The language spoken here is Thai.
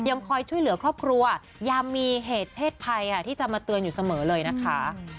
คอยช่วยเหลือครอบครัวยังมีเหตุเพศภัยที่จะมาเตือนอยู่เสมอเลยนะคะ